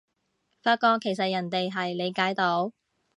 發覺其實人哋係理解到